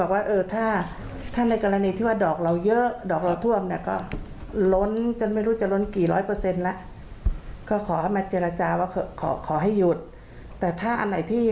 สักอาทิตย์หนึ่งหนึ่งหรือเดือนละสองครั้งอะไรอย่างนี้